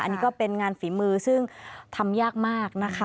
อันนี้ก็เป็นงานฝีมือซึ่งทำยากมากนะคะ